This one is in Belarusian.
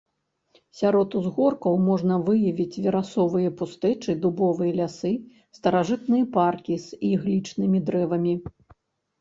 Сярод узгоркаў можна выявіць верасовыя пустэчы, дубовыя лясы, старажытныя паркі з іглічнымі дрэвамі.